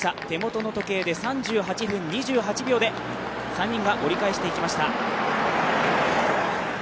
手元の時計で３８分２８秒で３人が折り返していきました。